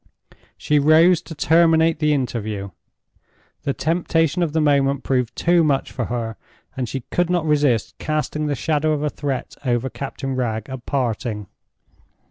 She rose to terminate the interview. The temptation of the moment proved too much for her, and she could not resist casting the shadow of a threat over Captain Wragge at parting.